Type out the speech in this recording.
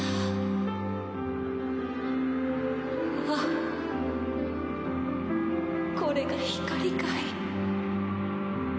あぁこれが光かい？